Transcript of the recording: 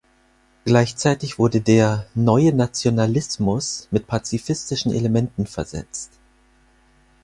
Gleichzeitig wurde der „neue Nationalismus“ mit pazifistischen Elementen versetzt.